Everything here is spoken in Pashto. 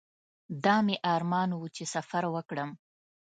دا مې ارمان و چې سفر وکړم.